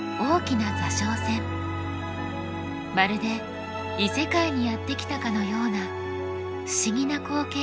まるで異世界にやって来たかのような不思議な光景が広がっています。